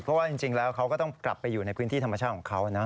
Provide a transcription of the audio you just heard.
เพราะว่าจริงแล้วเขาก็ต้องกลับไปอยู่ในพื้นที่ธรรมชาติของเขานะ